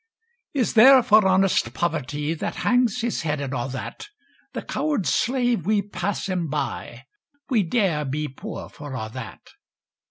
Is there, for honest poverty, That hangs his head, and a' that? The coward slave, we pass him by, We dare be poor for a' that!